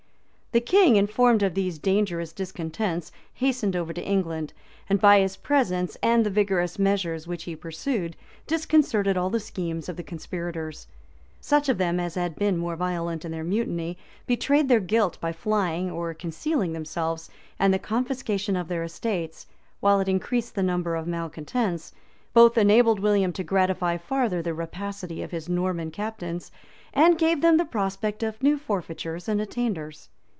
The king, informed of these dangerous discontents, hastened over to England; and by his presence, and the vigorous measures which he pursued, disconcerted all the schemes of the conspirators. Such of them as had been more violent in their mutiny, betrayed their guilt by flying or concealing themselves; and the confiscation of their estates, while it increased the number of malecontents, both enabled William to gratify farther the rapacity of his Norman captains, and gave them the prospect of new forfeitures and attainders.